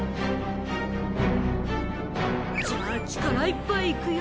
じゃあ力いっぱいいくよ？